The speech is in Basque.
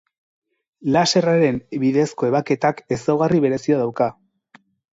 Laserraren bidezko ebaketak ezaugarri berezia dauka.